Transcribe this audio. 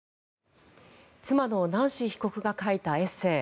妻のナンシー被告が書いたエッセー。